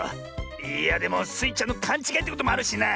いやでもスイちゃんのかんちがいってこともあるしなあ。